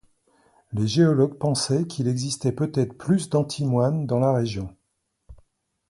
Les géologues pensaient qu'il existait peut-être plus d'antimoine dans la région.